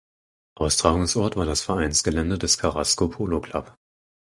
Austragungsort war das Vereinsgelände des Carrasco Polo Club.